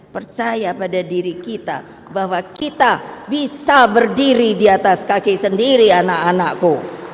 percaya pada diri kita bahwa kita bisa berdiri di atas kaki sendiri anak anakku